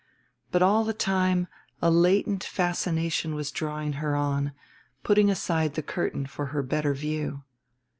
But all the time a latent fascination was drawing her on, putting aside the curtain for her better view.